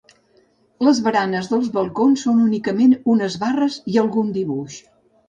Les baranes dels balcons són únicament unes barres i algun dibuix.